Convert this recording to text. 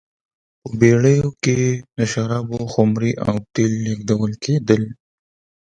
په بېړیو کې د شرابو خُمرې او تېل لېږدول کېدل.